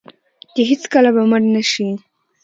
چې هیڅکله به مړ نشي.